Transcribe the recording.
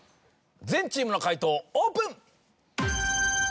全チームの解答オープン。